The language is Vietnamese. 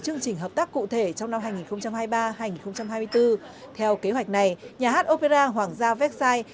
chương trình hợp tác cụ thể trong năm hai nghìn hai mươi ba hai nghìn hai mươi bốn theo kế hoạch này nhà hát opera hoàng gia vecsai